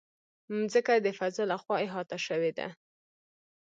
مځکه د فضا له خوا احاطه شوې ده.